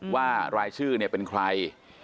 ว่ารายชื่อเนี่ยเป็นใคร